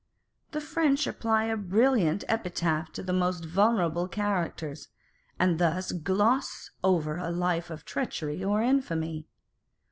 The French apply a brilliant epithet to the most vulnerable characters ; and thus gloss over a life of treachery or infamy.